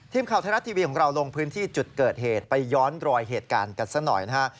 ทีมข่าวไทยรัฐทีวีของเราลงพื้นที่จุดเกิดเหตุไปย้อนรอยเหตุการณ์กันซะหน่อยนะฮะ